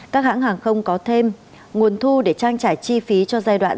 các hãng hàng không có thêm nguồn thu để trang trải chi phí cho giai đoạn